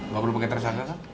bapak berpengen tersangka pak